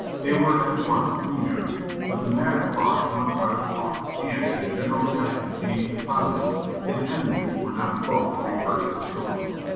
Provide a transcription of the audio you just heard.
They were at once remarried, but the matter caused much idle talk, and, as General Jackson came into prominence, his enemies were not slow to rehearse the story.